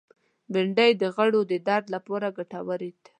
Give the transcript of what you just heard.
بېنډۍ د غړو د درد لپاره ګټوره ده